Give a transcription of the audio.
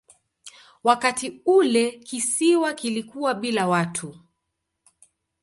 Wakati ule kisiwa kilikuwa bila watu.